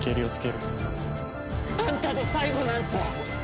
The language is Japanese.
あんたで最後なんす！